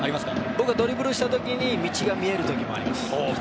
僕はドリブルした時道が見える時もあります。